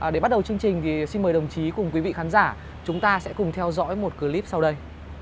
để bắt đầu chương trình xin mời đồng chí cùng quý vị khán giả chúng ta sẽ cùng theo dõi một clip sau đây